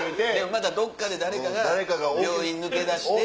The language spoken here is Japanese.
またどっかで誰かが「病院抜け出して」。